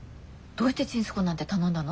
どうしてちんすこうなんて頼んだの？